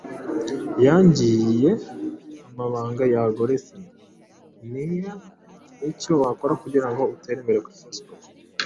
yaangiye amabanga ya algorithm nhya nicyo wakora kugirango utere imbere kuri Facebook